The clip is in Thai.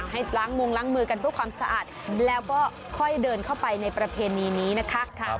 ให้ล้างมงล้างมือกันเพื่อความสะอาดแล้วก็ค่อยเดินเข้าไปในประเพณีนี้นะคะ